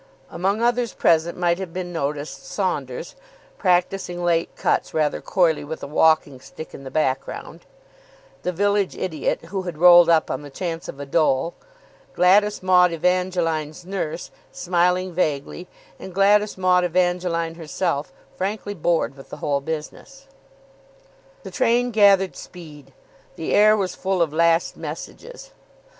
Among others present might have been noticed Saunders, practising late cuts rather coyly with a walking stick in the background; the village idiot, who had rolled up on the chance of a dole; Gladys Maud Evangeline's nurse, smiling vaguely; and Gladys Maud Evangeline herself, frankly bored with the whole business. The train gathered speed. The air was full of last messages.